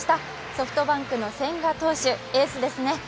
ソフトバンクの千賀投手、エースですね。